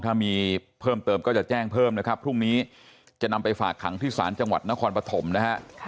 ถ้ามีเพิ่มเติมก็จะแจ้งเพิ่มนะครับพรุ่งนี้จะนำไปฝากขังที่ศาลจังหวัดนครปฐมนะฮะ